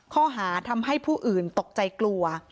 ข้อหาทำให้ผู้อื่นตกใจกลัว